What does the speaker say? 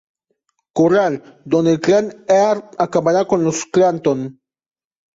Corral, donde el clan Earp acabará con los Clanton.